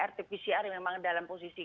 rt pcr yang memang dalam posisi